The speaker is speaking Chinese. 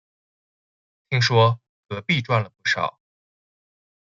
听说隔壁赚了不少